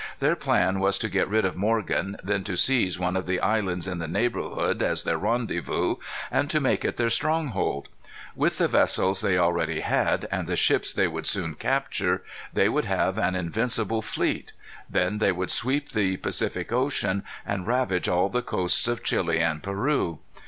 Their plan was to get rid of Morgan, then to seize one of the islands in the neighborhood as their rendezvous, and to make it their stronghold. With the vessels they already had, and the ships they would soon capture, they would have an invincible fleet. Then they would sweep the Pacific Ocean, and ravage all the coasts of Chili and Peru.